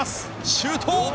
シュート！